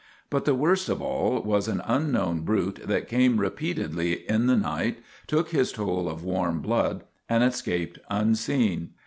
But the worst of all was an unknown brute that came repeatedly in the night, took his toll of warm blood, and escaped unseen.